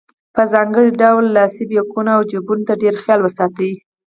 په ځانګړي ډول لاسي بیکونو او جیبونو ته ډېر خیال وساتئ.